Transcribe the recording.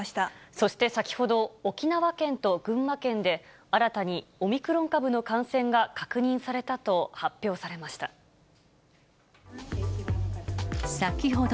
そして先ほど、沖縄県と群馬県で、新たにオミクロン株の感染が確認されたと発表先ほど。